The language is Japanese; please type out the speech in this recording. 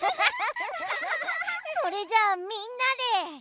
それじゃあみんなで。